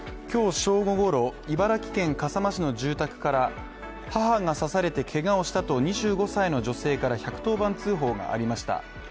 今日正午ごろ、茨城県笠間市の住宅から刺されてけがをしたと２５歳の女性から１１０番通報がありました。